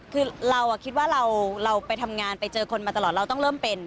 คือเราคิดว่าเราไปทำงานไปเจอคนมาตลอดเราต้องเริ่มเป็น